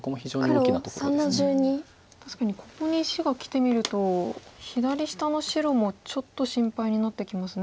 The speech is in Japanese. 確かにここに石がきてみると左下の白もちょっと心配になってきますね。